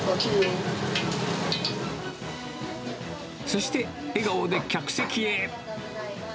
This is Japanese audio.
そして笑顔で客席へ。